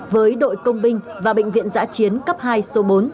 với đội công minh và bệnh viện giải chiến cấp hai số bốn